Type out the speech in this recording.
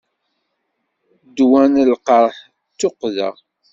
Ddwa n lqerḥ-a d tuqqda.